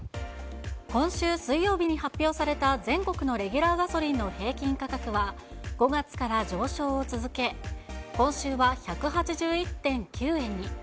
今週水曜日に発表された全国のレギュラーガソリンの平均価格は５月から上昇を続け、今週は１８１．９円に。